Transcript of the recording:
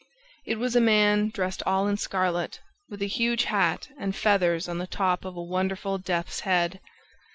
It was a man dressed all in scarlet, with a huge hat and feathers on the top of a wonderful death's head.